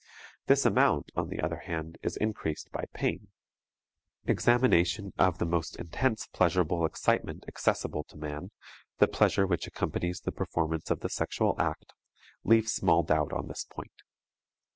This amount, on the other hand, is increased by pain. Examination of the most intense pleasurable excitement accessible to man, the pleasure which accompanies the performance of the sexual act, leaves small doubt on this point.